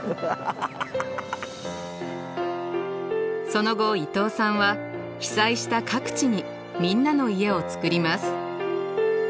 その後伊東さんは被災した各地にみんなの家を作ります。